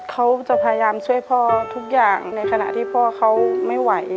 เขาจะพยายามช่วยพ่อทุกอย่างในขณะที่พ่อเขาไม่ไหว